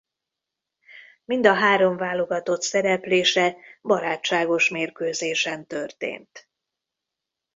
Mind a három válogatott szereplése barátságos mérkőzésen történt.